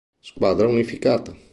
Squadra Unificata